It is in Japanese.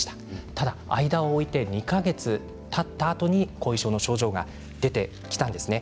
ただ間を置いて２か月たったあとに後遺症の症状が出てきたんですね。